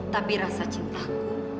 tapi rasa cintaku